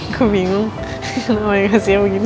aku bingung kenapa yang kasihnya begini